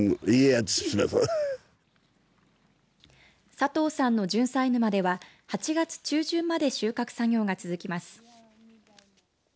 佐藤さんのジュンサイ沼では８月中旬まで収穫作業が続きます。